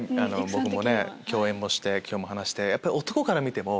僕も共演もして今日も話して。